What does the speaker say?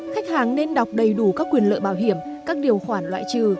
khách hàng nên đọc đầy đủ các quyền lợi bảo hiểm các điều khoản loại trừ